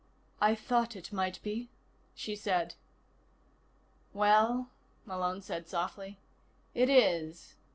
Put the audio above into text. "I thought it might be," she said. "Well," Malone said softly, "it is.